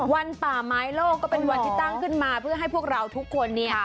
ป่าไม้โลกก็เป็นวันที่ตั้งขึ้นมาเพื่อให้พวกเราทุกคนเนี่ย